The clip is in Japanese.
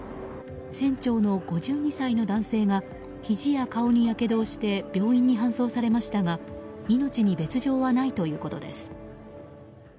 船長の５２歳の男性がひじや顔にやけどをして病院に搬送されましたが命に別条はないということです。